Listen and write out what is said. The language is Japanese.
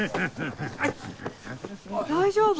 大丈夫？